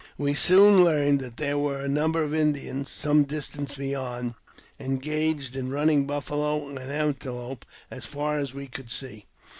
We soon learned that there was a number of Indians, some distance beyond, engaged in running buffalo and antelope as far as we could see.